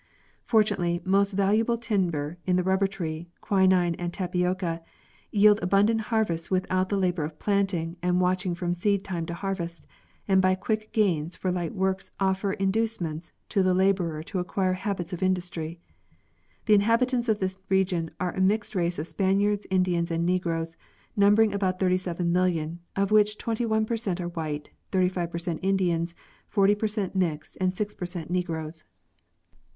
Fortunately, most valuable timber, the rubber tree, quinine, and tapioca yield abundant harvests with out the labor of planting and watching from seed time to har vest, and by quick gains for light work offer inducements to the laborer to acquire habits of industry. The inhabitants of this region are a mixed race of Spaniards, Indians, and Negroes, numbering about 37,000,000, of which 21 percent are white, 35 percent Indians, 40 percent mixed, and 6 percent Negroes. In ee The Decadence of the Savage.